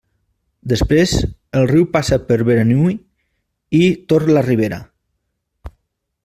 Després el riu passa per Beranui i Tor-la-ribera.